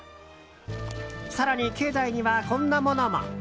更に、境内にはこんなものも。